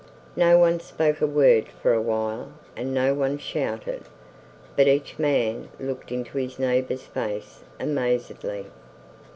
No one spoke a word for a while and no one shouted, but each man looked into his neighbor's face amazedly.